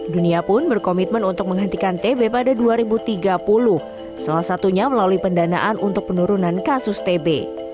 dunia pun berkomitmen untuk menghentikan tb pada dua ribu tiga puluh salah satunya melalui pendanaan untuk penurunan kasus tb